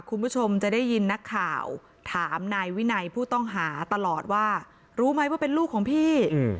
คุณผู้ชมจะได้ยินนักข่าวถามนายวินัยผู้ต้องหาตลอดว่ารู้ไหมว่าเป็นลูกของพี่